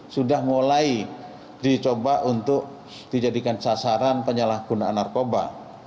sudah mulai dicoba untuk dijadikan sasaran penyalahgunaan narkoba